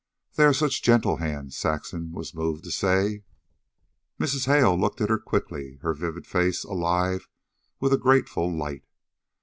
"They are such gentle hands," Saxon was moved to say. Mrs. Hale looked at her quickly, her vivid face alive with a grateful light.